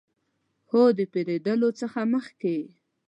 هو، د پیرودلو څخه مخکې